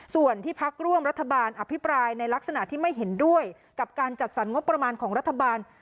ส่วนที่พักร่วมรัฐบาลอภิปรายในลักษณะที่ไม่เห็นด้วยกับการจัดสรรงบประมาณของรัฐบาล